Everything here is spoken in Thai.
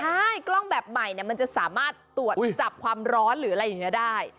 ใช่กล้องแบบใหม่มันจะสามารถตรวจจับความร้อนหรืออะไรอย่างนี้ได้